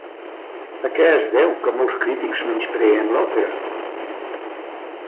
A què es deu que molts crítics menyspreen l'òpera?